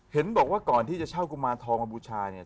เห็นบอกว่าก่อนที่จะเช่ากุมารทองมาบูชาเนี่ย